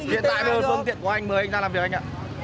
hiện tại tôi không có tiện của anh mời anh ra làm việc anh ạ